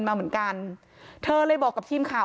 ความปลอดภัยของนายอภิรักษ์และครอบครัวด้วยซ้ำ